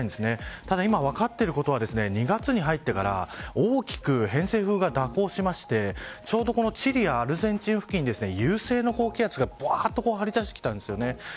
ただ、今分かっていることは２月に入ってから大きく偏西風が蛇行してちょうどチリやアルゼンチン付近に優勢の高気圧が張り出してきたんです。